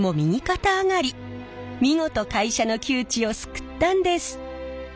見事会社の窮地を救ったんです。